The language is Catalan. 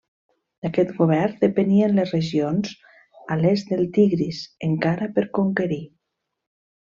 D'aquest govern depenien les regions a l'est del Tigris encara per conquerir.